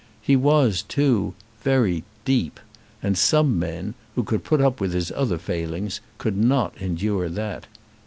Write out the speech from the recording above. He was, too, very "deep", and some men, who could put up with his other failings, could not endure that.